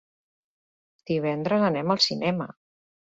Divendres anem al cinema.